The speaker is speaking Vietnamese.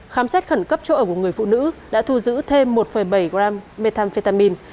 khám xét khẩn cấp chỗ ở của người phụ nữ đã thu giữ thêm một bảy gram methamphetamine